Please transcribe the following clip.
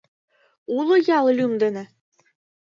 Уло ял лӱм дене?